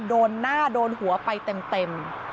โดนหน้าโดนหัวไปเต็ม